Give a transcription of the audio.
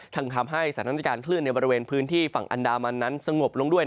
ทำให้สถานการณ์คลื่นในบริเวณพื้นที่ฝั่งอันดามันนั้นสงบลงด้วย